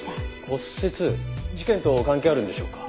骨折事件と関係あるんでしょうか？